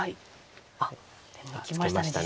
あっでもいきましたね